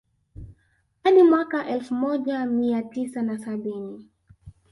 Hadi miaka ya elfu moja mia tisa na sabini